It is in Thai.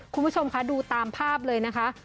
คุณผู้ชมคะดูตามภาพเลยนะคะ